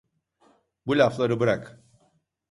Bu lafları bırak…